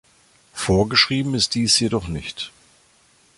Vorgeschrieben ist dies jedoch nicht.